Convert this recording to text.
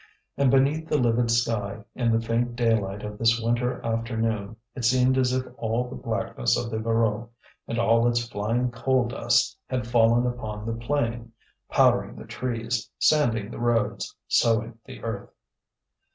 And beneath the livid sky, in the faint daylight of this winter afternoon, it seemed as if all the blackness of the Voreux, and all its flying coal dust, had fallen upon the plain, powdering the trees, sanding the roads, sowing the earth.